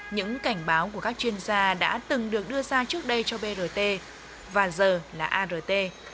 những cảnh báo của các chuyên gia đã từng được đưa ra trước đây cho brt và giờ là art